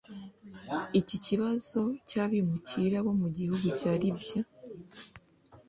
Iki kibazo cy’abimukira bo mu gihugu cya Libya